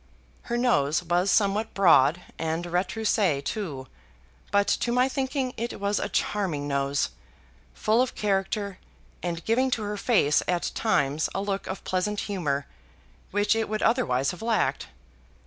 Her nose was somewhat broad, and retroussé too, but to my thinking it was a charming nose, full of character, and giving to her face at times a look of pleasant humour, which it would otherwise have lacked.